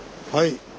はい。